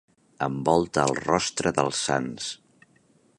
Envolta el rostre dels sants.